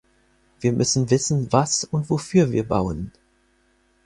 Wir müssen wissen, was und wofür wir bauen.